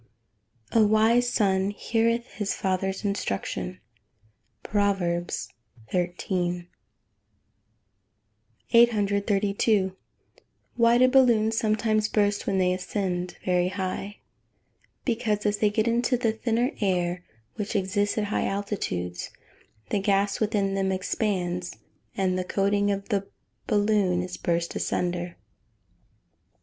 [Verse: "A wise son heareth his father's instruction." PROVERBS XIII.] 832. Why do balloons sometimes burst when they ascend very high? Because, as they get into the thinner air, which exists at high altitudes, the gas within them expands, and the coating of the balloon is burst asunder.